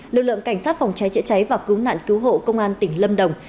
lực lượng cảnh sát phòng cháy chữa cháy và cứu nạn cứu hộ công an tỉnh lâm đồng